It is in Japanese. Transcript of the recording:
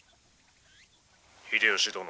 「秀吉殿」。